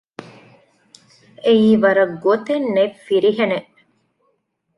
އެއީ ވަރަށް ގޮތެއްނެތް ފިރިހެނެއް